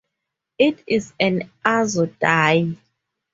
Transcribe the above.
It is an azo dye.